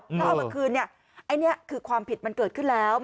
ตรงสันวันคืนเนี่ยความผิดมันเกิดขึ้นแล้ว